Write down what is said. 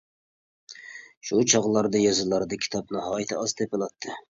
شۇ چاغلاردا، يېزىلاردا كىتاب ناھايىتى ئاز تېپىلاتتى.